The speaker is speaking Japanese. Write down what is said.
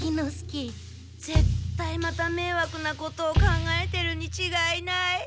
ぜったいまためいわくなことを考えてるにちがいない。